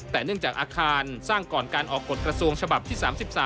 แต่เนื่องจากอาคารสร้างก่อนการออกกฎกระทรวงฉบับที่๓๓